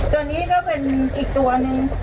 ตัวนี้ก็เป็นอีกตัวหนึ่ง